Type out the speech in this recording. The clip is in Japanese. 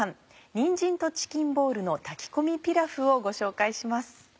「にんじんとチキンボールの炊き込みピラフ」をご紹介します。